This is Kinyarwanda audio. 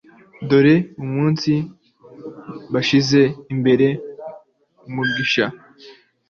Dore uyu munsi mbashyize imbere umugisha